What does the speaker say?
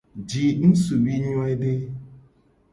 Ji ngusuvi nyoede.